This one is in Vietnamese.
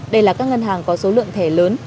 đây là các ngân hàng có số lượng thẻ lớn